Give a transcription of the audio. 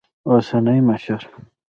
اوسني مشر